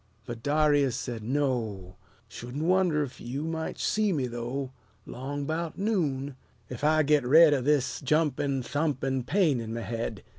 But Darius said, "No! Shouldn't wonder 'f yeou might see me, though, 'Long 'bout noon, ef I git red O' this jumpin', thumpin' pain 'n my head."